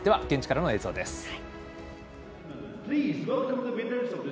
現地からの映像です。